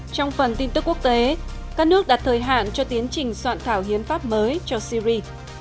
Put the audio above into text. trong phần tin tức quốc tế các nước đặt thời hạn cho tiến trình soạn thảo hiến pháp mới cho syri